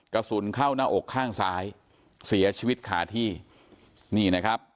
กระสุนเข้าหน้าอกข้างซ้ายเสียชีวิตขาที่นี่นะครับ